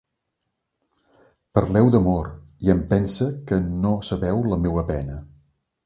Parleu d'amor, i em pense que no sabeu la meua pena.